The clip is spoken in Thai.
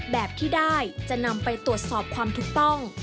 แบบที่ได้จะนำไปตรวจสอบความถูกต้อง